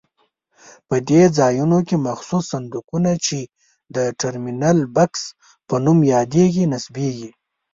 په دې ځایونو کې مخصوص صندوقونه چې د ټرمینل بکس په نوم یادېږي نصبېږي.